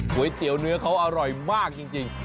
๋วเตี๋ยวเนื้อเขาอร่อยมากจริง